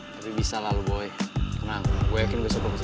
tapi bisa lah lu boy kenal gue gue yakin gue suka bersama